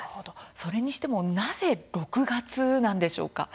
それにしてもなぜ６月なんでしょうか。